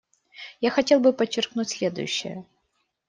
Я хотел бы подчеркнуть следующее.